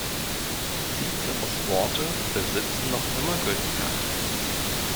Ciceros Worte besitzen noch immer Gültigkeit.